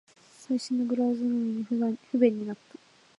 最新のブラウザなのに不便になった